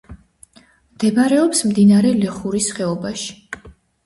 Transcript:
მდებარეობს მდინარე ლეხურის ხეობაში.